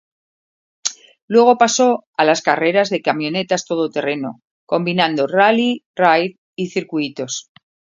Luego pasó a las carreras de camionetas todoterreno, combinando rally raid y circuitos.